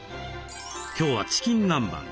今日はチキン南蛮。